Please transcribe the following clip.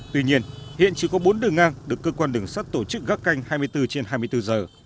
tuy nhiên hiện chỉ có bốn đường ngang được cơ quan đường sắt tổ chức gác canh hai mươi bốn trên hai mươi bốn giờ